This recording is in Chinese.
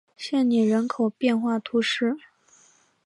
谢涅人口变化图示